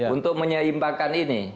untuk menyeimbangkan ini